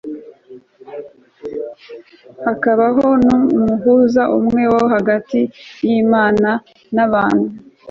v hakabaho n umuhuza umwe w hagati y imana y abantu